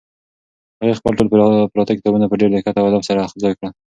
هغې خپل ټول پراته کتابونه په ډېر دقت او ادب سره یو ځای کړل.